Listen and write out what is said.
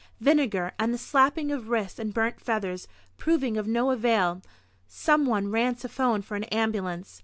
Vinegar, and the slapping of wrists and burnt feathers proving of no avail, some one ran to 'phone for an ambulance.